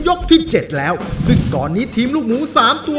ที่เจ็ดแล้วซึ่งตอนนี้ทีมลูกหมูสามตัว